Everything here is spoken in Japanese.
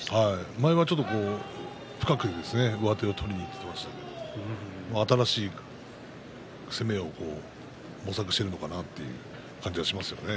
前は深く上手を取りにいっていましたけれども新しい攻めを模索しているのかなという感じがしますよね。